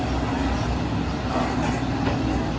หรือว่าเกิดอะไรขึ้น